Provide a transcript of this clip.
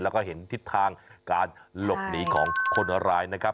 แล้วก็เห็นทิศทางการหลบหนีของคนร้ายนะครับ